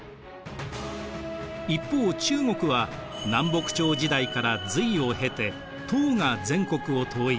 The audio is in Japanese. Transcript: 一方中国は南北朝時代から隋を経て唐が全国を統一。